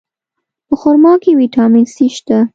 په خرما کې ویټامین C شته.